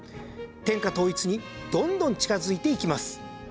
天下統一にどんどん近づいていきます。